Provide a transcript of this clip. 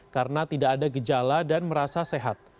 karena tidak ada gejala dan merasa sehat